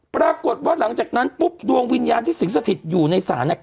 ปรากฏว่าหลังจากนั้นปุ๊บดวงวิญญาณที่สิงสถิตอยู่ในศาล